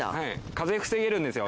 風防げるんですよ